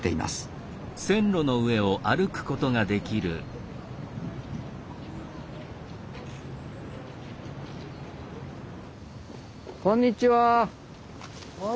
はいこんにちは。